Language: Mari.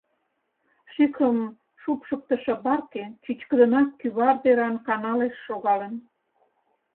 Шӱкым шупшыктышо барке чӱчкыдынак кӱвар деран каналеш шогалын.